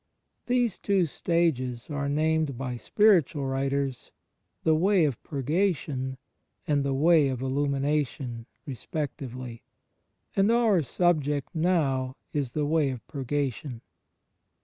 These two stages are named by spiritual writers, the Way of Purgation and the Way of Illumination, respectively: and our subject now is the Way of Purgation.